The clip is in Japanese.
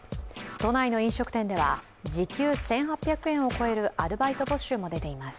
都内の飲食店では時給１８００円を超えるアルバイト募集も出ています。